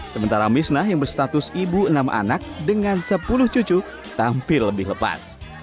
sementara misnah yang berstatus ibu enam anak dengan sepuluh cucu tampil lebih lepas